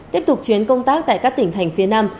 tiếp tục chuyến công tác tại các tỉnh thành phía nam